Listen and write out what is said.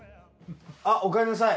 あっおかえりなさい。